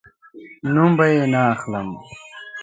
نوم به یې نه اخلم